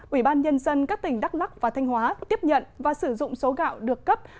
ủy ban nhân dân các tỉnh đắk lắc và thanh hóa tiếp nhận và sử dụng số gạo được cấp